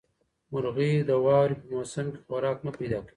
مرغۍ د واورې په موسم کې خوراک نه پیدا کوي.